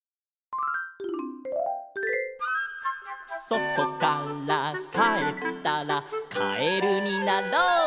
「そとからかえったらカエルになろう」